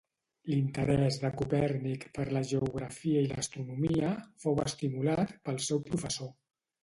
L'interès de Copèrnic per la geografia i l'astronomia fou estimulat pel seu professor.